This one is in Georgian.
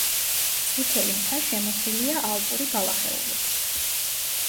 წითელი მთა შემოსილია ალპური ბალახეულით.